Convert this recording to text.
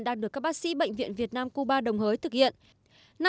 đang được các bác sĩ bệnh viện việt nam cuba đồng hới thực hiện